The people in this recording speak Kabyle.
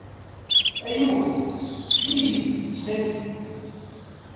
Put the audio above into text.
Ayu! Sken-iyi-d, ttxil-k!